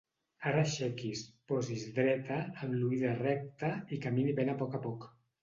Ara aixequi's, posi's dreta, amb l'oïda recta i camini ben a poc a poc.